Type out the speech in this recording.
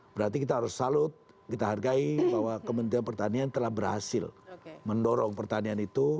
berarti kita harus salut kita hargai bahwa kementerian pertanian telah berhasil mendorong pertanian itu